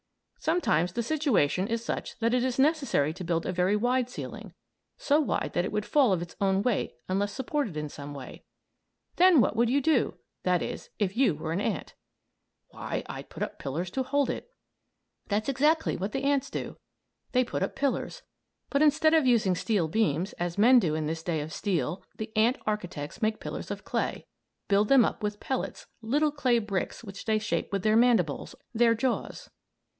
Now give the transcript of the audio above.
Sometimes the situation is such that it is necessary to build a very wide ceiling, so wide that it would fall of its own weight unless supported in some way. Then what would you do; that is, if you were an ant? "Why, I'd put up pillars to hold it." That's exactly what the ants do; they put up pillars; but instead of using steel beams, as men do in this day of steel, the ant architects make pillars of clay build them up with pellets, little clay bricks which they shape with their mandibles their jaws.